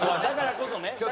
だからこそね。